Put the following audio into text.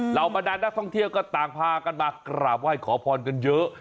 บรรดานนักท่องเที่ยวก็ต่างพากันมากราบไหว้ขอพรกันเยอะ